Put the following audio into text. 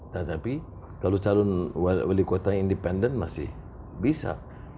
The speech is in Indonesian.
tetapi kalau calon wali kuatanya independen masih bisa